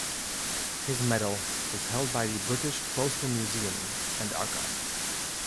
His medal is held by the British Postal Museum and Archive.